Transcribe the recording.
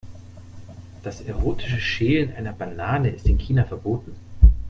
Das erotische Schälen einer Banane ist in China verboten.